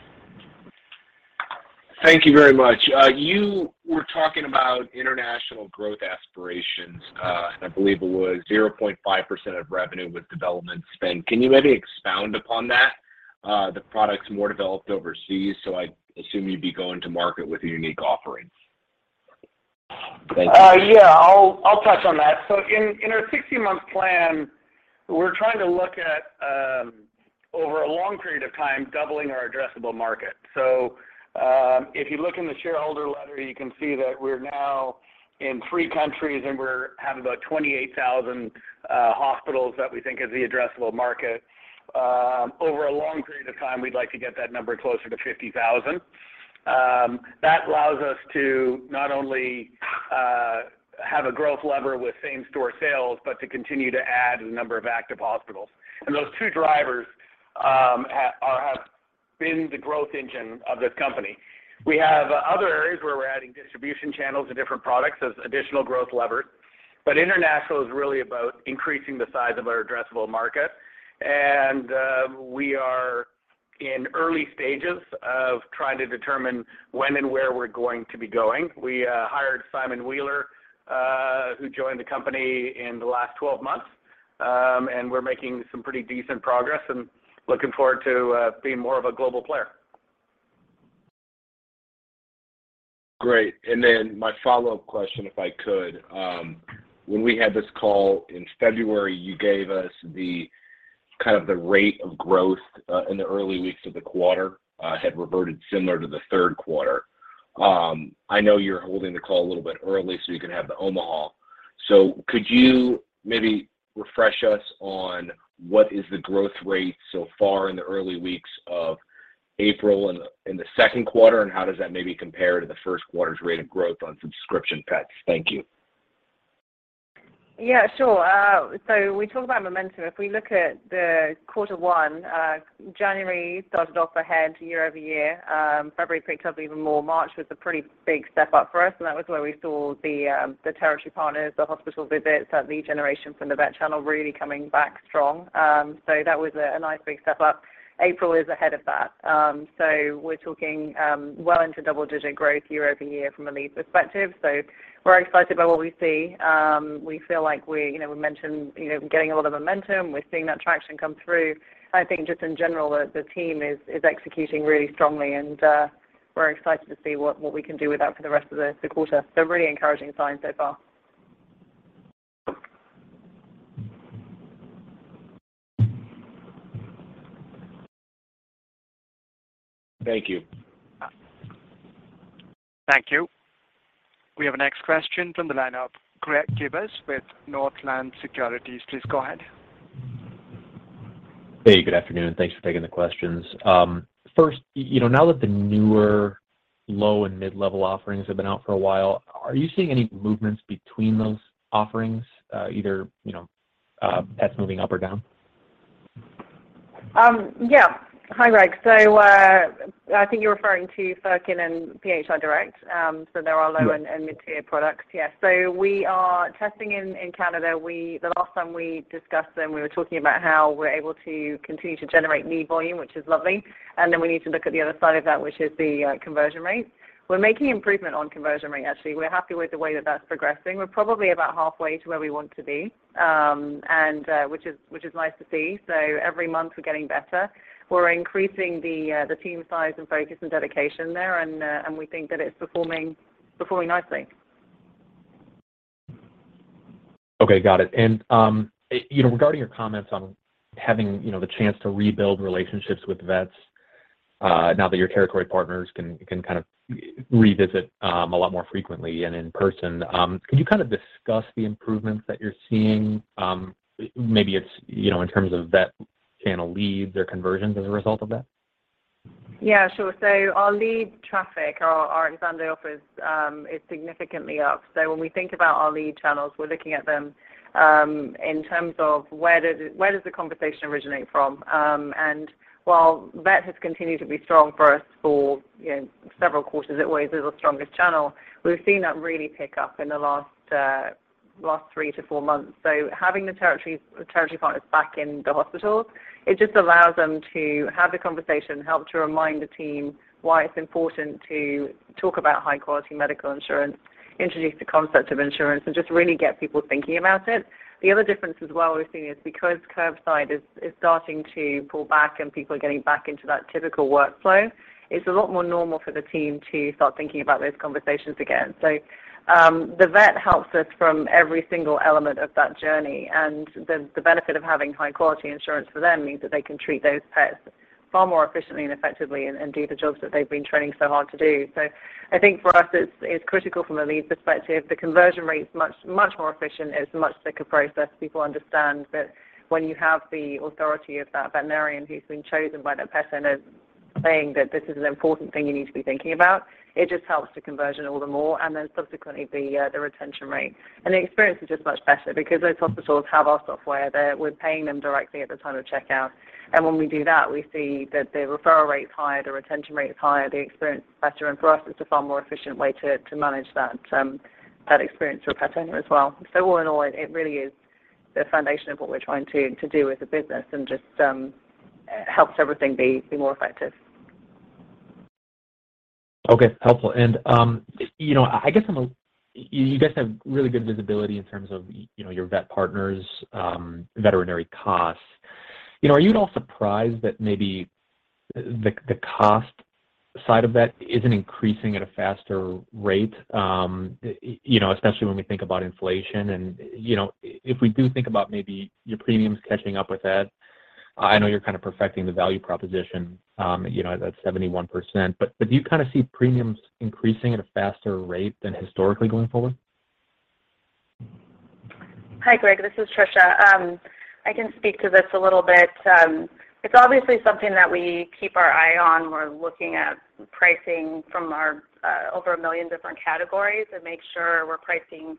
Thank you very much. You were talking about international growth aspirations, and I believe it was 0.5% of revenue with development spend. Can you maybe expound upon that? The product's more developed overseas, so I assume you'd be going to market with a unique offering. Thank you. I'll touch on that. In our 60-month plan, we're trying to look at, over a long period of time, doubling our addressable market. If you look in the shareholder letter, you can see that we're now in three countries, and we have about 28,000 hospitals that we think is the addressable market. Over a long period of time, we'd like to get that number closer to 50,000. That allows us to not only have a growth lever with same-store sales, but to continue to add the number of active hospitals. Those two drivers have been the growth engine of this company. We have other areas where we're adding distribution channels and different products as additional growth levers, but international is really about increasing the size of our addressable market. We are in early stages of trying to determine when and where we're going to be going. We hired Simon Wheeler, who joined the company in the last 12 months, and we're making some pretty decent progress and looking forward to being more of a global player. Great. My follow-up question, if I could. When we had this call in February, you gave us the kind of rate of growth in the early weeks of the quarter had reverted similar to the third quarter. I know you're holding the call a little bit early, so you can have the Omaha. Could you maybe refresh us on what is the growth rate so far in the early weeks of April and the second quarter, and how does that maybe compare to the first quarter's rate of growth on subscription pets? Thank you. Yeah, sure. We talk about momentum. If we look at the quarter one, January started off ahead year-over-year. February picked up even more. March was a pretty big step up for us, and that was where we saw the territory partners, the hospital visits, that lead generation from the vet channel really coming back strong. That was a nice big step up. April is ahead of that. We're talking well into double-digit growth year-over-year from a lead perspective. We're excited by what we see. We feel like we, you know, we mentioned, you know, getting a lot of momentum. We're seeing that traction come through. I think just in general, the team is executing really strongly, and we're excited to see what we can do with that for the rest of the quarter. Really encouraging signs so far. Thank you. Thank you. We have our next question from the line of Greg Gibas with Northland Securities. Please go ahead. Hey, good afternoon. Thanks for taking the questions. First, you know, now that the newer low and mid-level offerings have been out for a while, are you seeing any movements between those offerings, either, you know, pets moving up or down? Yeah. Hi, Greg. I think you're referring to Furkin and PHI Direct, so they're our low- Yeah. mid-tier products. We are testing in Canada. The last time we discussed them, we were talking about how we're able to continue to generate new volume, which is lovely, and then we need to look at the other side of that, which is the conversion rate. We're making improvement on conversion rate, actually. We're happy with the way that that's progressing. We're probably about halfway to where we want to be, and which is nice to see. Every month, we're getting better. We're increasing the team size and focus and dedication there, and we think that it's performing nicely. Okay, got it. You know, regarding your comments on having, you know, the chance to rebuild relationships with vets, now that your territory partners can kind of revisit a lot more frequently and in person, could you kind of discuss the improvements that you're seeing? Maybe it's, you know, in terms of vet channel leads or conversions as a result of that? Yeah, sure. Our lead traffic, our exam day offers, is significantly up. When we think about our lead channels, we're looking at them in terms of where does the conversation originate from? While vet has continued to be strong for us for, you know, several quarters, it always is our strongest channel. We've seen that really pick up in the last three to four months. Having the territory partners back in the hospital, it just allows them to have the conversation, help to remind the team why it's important to talk about high quality medical insurance, introduce the concept of insurance, and just really get people thinking about it. The other difference as well we're seeing is because curbside is starting to pull back and people are getting back into that typical workflow, it's a lot more normal for the team to start thinking about those conversations again. The vet helps us from every single element of that journey, and the benefit of having high quality insurance for them means that they can treat those pets far more efficiently and effectively and do the jobs that they've been training so hard to do. I think for us, it's critical from a lead perspective. The conversion rate's much, much more efficient. It's a much quicker process. People understand that when you have the authority of that veterinarian who's been chosen by their pet center saying that this is an important thing you need to be thinking about, it just helps the conversion all the more and then subsequently the retention rate. The experience is just much better because those hospitals have our software there. We're paying them directly at the time of checkout. When we do that, we see that the referral rate's higher, the retention rate is higher, the experience is better, and for us, it's a far more efficient way to manage that experience for a pet owner as well. All in all, it really is the foundation of what we're trying to do as a business and just helps everything be more effective. Okay. Helpful. You guys have really good visibility in terms of, you know, your vet partners', veterinary costs. You know, are you at all surprised that maybe the cost side of that isn't increasing at a faster rate, you know, especially when we think about inflation and, you know, if we do think about maybe your premiums catching up with that? I know you're kind of perfecting the value proposition, you know, that 71%, but do you kind of see premiums increasing at a faster rate than historically going forward? Hi, Greg Gibas, this is Tricia Plouf. I can speak to this a little bit. It's obviously something that we keep our eye on. We're looking at pricing from our over 1 million different categories and make sure we're pricing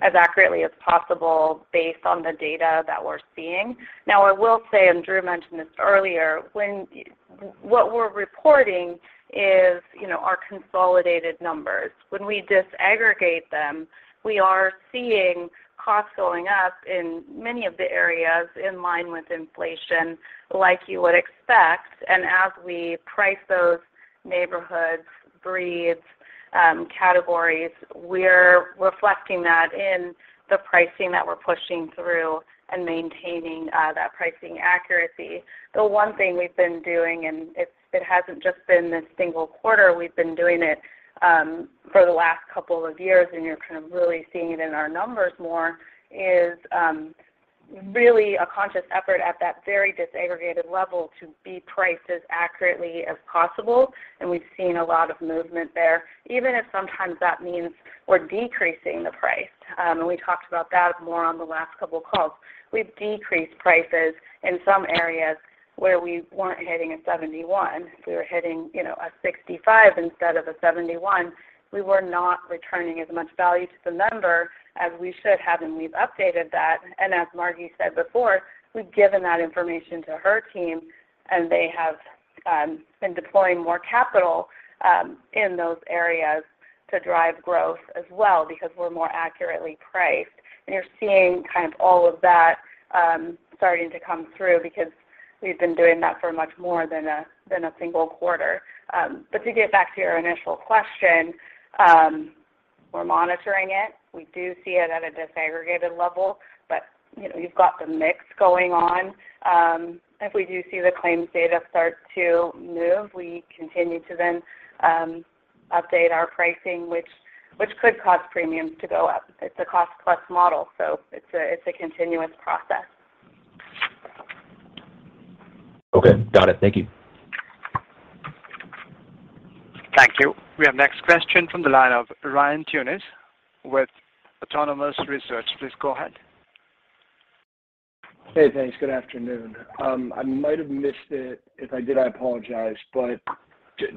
as accurately as possible based on the data that we're seeing. Now, I will say, and Drew Wolff mentioned this earlier, What we're reporting is, you know, our consolidated numbers. When we disaggregate them, we are seeing costs going up in many of the areas in line with inflation like you would expect. As we price those neighborhoods, breeds, categories, we're reflecting that in the pricing that we're pushing through and maintaining that pricing accuracy. The one thing we've been doing, it hasn't just been this single quarter. We've been doing it for the last couple of years, and you're kind of really seeing it in our numbers more, is really a conscious effort at that very disaggregated level to be priced as accurately as possible, and we've seen a lot of movement there, even if sometimes that means we're decreasing the price. We talked about that more on the last couple calls. We've decreased prices in some areas where we weren't hitting a 71%. We were hitting, you know, a 65% instead of a 71%. We were not returning as much value to the member as we should have, and we've updated that. As Margie said before, we've given that information to her team, and they have been deploying more capital in those areas to drive growth as well because we're more accurately priced. You're seeing kind of all of that starting to come through because we've been doing that for much more than a single quarter. To get back to your initial question, we're monitoring it. We do see it at a disaggregated level, but you know, you've got the mix going on. If we do see the claims data start to move, we continue to then update our pricing, which could cause premiums to go up. It's a cost plus model, so it's a continuous process. Okay. Got it. Thank you. Thank you. We have next question from the line of Ryan Tunis with Autonomous Research. Please go ahead. Hey, thanks. Good afternoon. I might have missed it. If I did, I apologize.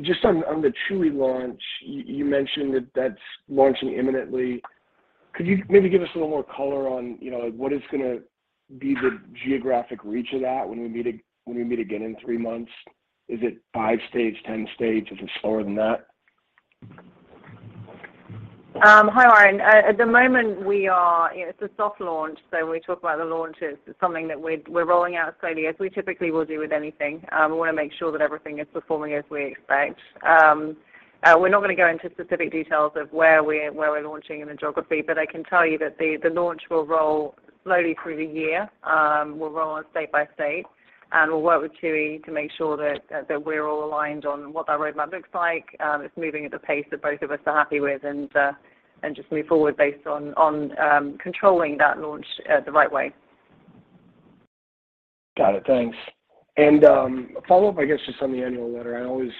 Just on the Chewy launch, you mentioned that that's launching imminently. Could you maybe give us a little more color on, you know, what is gonna be the geographic reach of that when we meet again in three months? Is it five states, 10 states? Is it slower than that? Hi, Ryan. It's a soft launch, so when we talk about the launch, it's something that we're rolling out slowly as we typically will do with anything. We want to make sure that everything is performing as we expect. We're not gonna go into specific details of where we're launching in the geography, but I can tell you that the launch will roll slowly through the year, will roll out state by state, and we'll work with Chewy to make sure that we're all aligned on what that roadmap looks like. It's moving at a pace that both of us are happy with and just move forward based on controlling that launch, the right way. Got it. Thanks. A follow-up, I guess, just on the annual letter. I always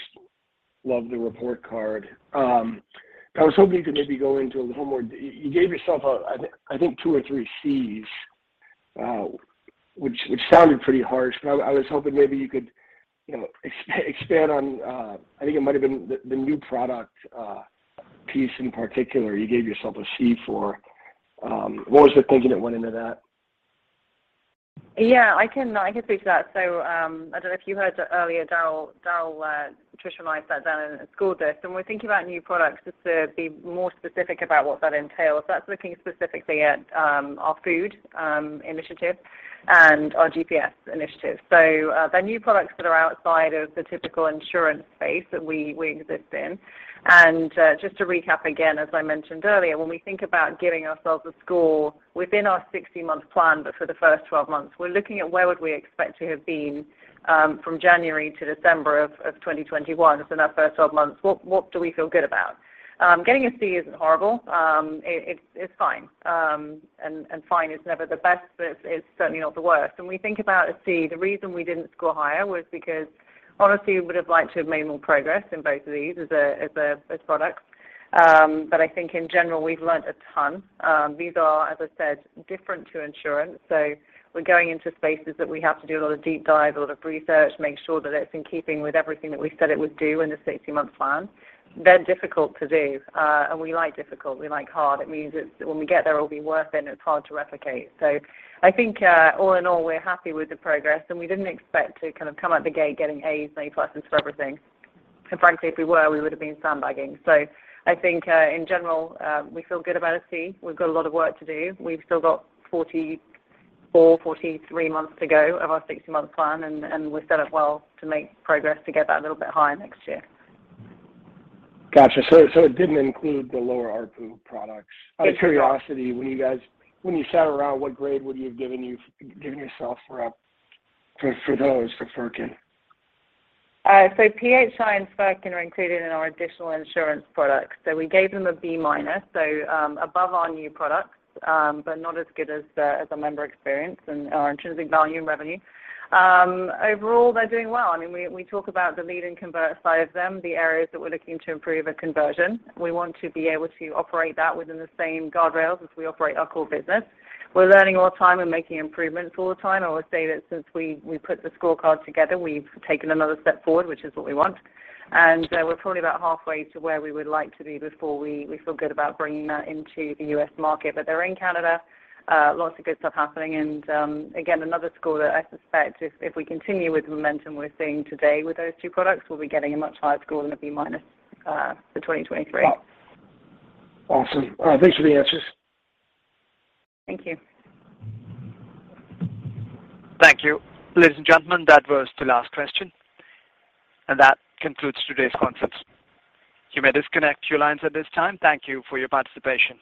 love the report card. I was hoping you could maybe go into a little more. You gave yourself a, I think, two or three Cs, which sounded pretty harsh, but I was hoping maybe you could, you know, expand on, I think it might have been the new product piece in particular you gave yourself a C for. What was the thinking that went into that? Yeah, I can speak to that. I don't know if you heard earlier, Darryl, Tricia and I sat down and scored this, and we're thinking about new products just to be more specific about what that entails. That's looking specifically at our food initiative and our GPS initiative. They're new products that are outside of the typical insurance space that we exist in. Just to recap again, as I mentioned earlier, when we think about giving ourselves a score within our 60-month plan, but for the first 12 months, we're looking at where would we expect to have been from January to December of 2021. In our first 12 months, what do we feel good about? Getting a C isn't horrible. It's fine. Fine is never the best, but it's certainly not the worst. When we think about a C, the reason we didn't score higher was because honestly, we would have liked to have made more progress in both of these as products. I think in general, we've learned a ton. These are, as I said, different to insurance. We're going into spaces that we have to do a lot of deep dive, a lot of research, make sure that it's in keeping with everything that we said it would do in the 60-month plan. They're difficult to do, and we like difficult, we like hard. It means when we get there, it'll be worth it, and it's hard to replicate. I think, all in all, we're happy with the progress, and we didn't expect to kind of come out the gate getting As and A-pluses for everything. Because frankly, if we were, we would have been sandbagging. I think, in general, we feel good about a C. We've got a lot of work to do. We've still got 44, 43 months to go of our 60-month plan, and we've set up well to make progress to get that a little bit higher next year. Gotcha. It didn't include the lower ARPU products. It did not. Out of curiosity, when you sat around, what grade would you have given yourself for those for Furkin? PHI and Furkin are included in our additional insurance products. We gave them a B-minus, above our new products, but not as good as the member experience and our intrinsic value and revenue. Overall, they're doing well. I mean, we talk about the lead and convert side of them, the areas that we're looking to improve are conversion. We want to be able to operate that within the same guardrails as we operate our core business. We're learning all the time and making improvements all the time. I would say that since we put the scorecard together, we've taken another step forward, which is what we want. We're probably about halfway to where we would like to be before we feel good about bringing that into the US market. They're in Canada, lots of good stuff happening. Again, another score that I suspect if we continue with the momentum we're seeing today with those two products, we'll be getting a much higher score than a B-minus for 2023. Awesome. All right. Thanks for the answers. Thank you. Thank you. Ladies and gentlemen, that was the last question. That concludes today's conference. You may disconnect your lines at this time. Thank you for your participation.